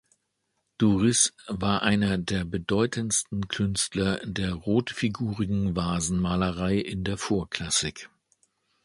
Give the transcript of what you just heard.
Duris war einer der bedeutendsten Künstler der rotfigurigen Vasenmalerei in der Vorklassik.